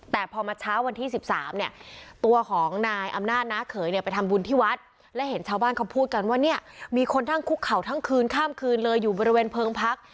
แต่พอมาเช้าวันที่๑๓เนี่ยตัวของนายอำนาจน้าเขยเนี่ยไปทำบุญที่วัดและเห็นชาวบ้านเขาพูดกันว่าเนี่ยมีคนนั่งคุกเข่าทั้งคืนข้ามคืนเลยอยู่บริเวณเพลิงพัก